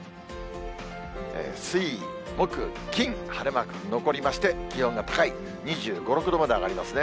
水、木、金、晴れマーク、残りまして、気温が高い、２５、６度まで上がりますね。